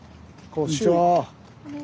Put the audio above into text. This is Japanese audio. こんにちは。